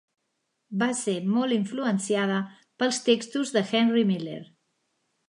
Va ser molt influenciada pels textos de Henry Miller.